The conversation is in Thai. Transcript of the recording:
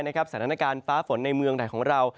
สถานการณ์ฟ้าฝนในเมืองไทยของเรา